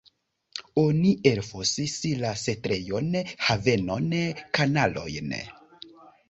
Oni elfosis la setlejon, havenon, kanalojn.